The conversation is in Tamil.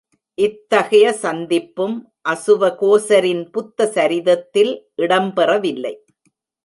இத்தகைய சந்திப்பும் அசுவகோசரின் புத்த சரிதத்தில் இடம்பெறவில்லை.